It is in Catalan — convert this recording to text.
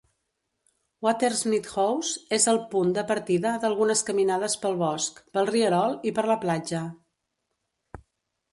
Watersmeet House és el punt de partida d'algunes caminades pel bosc, pel rierol y per la platja.